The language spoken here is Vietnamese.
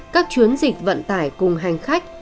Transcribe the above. các chuyến dịch vận tải cùng hành khách